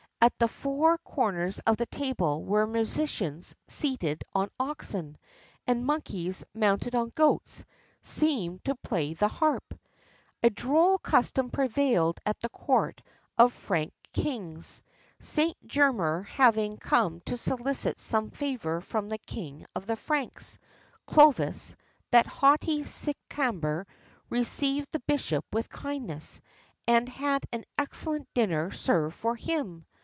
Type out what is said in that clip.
At the four corners of the table were musicians seated on oxen; and monkeys, mounted on goats, seemed to play the harp.[XXXIV 27] A droll custom prevailed at the court of the Frank kings. St. Germier having come to solicit some favour from the King of the Franks, Clovis, that haughty Sicamber received the bishop with kindness, and had an excellent dinner served for him.